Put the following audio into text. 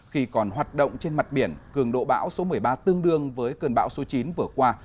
khi còn hoạt động trên mặt biển cường độ bão số một mươi ba tương đương với cơn bão số chín vừa qua